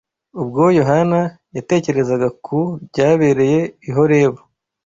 Ubwo Yohana yatekerezaga ku byabereye i Horebu,